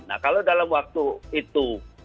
nah kalau dalam waktu itu